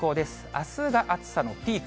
あすが暑さのピーク。